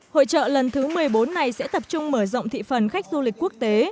hội trợ lần thứ một mươi bốn này sẽ tập trung mở rộng thị phần khách du lịch quốc tế